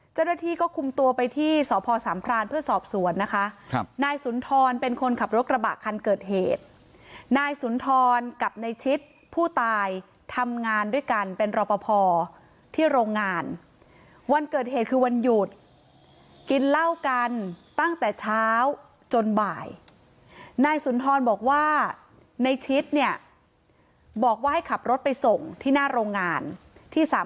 เจ้าหน้าที่ก็คุมตัวไปที่สพสพสพสพสพสพสพสพสพสพสพสพสพสพสพสพสพสพสพสพสพสพสพสพสพสพสพสพสพสพสพสพสพสพสพสพสพสพสพสพสพสพสพสพสพสพสพสพสพสพ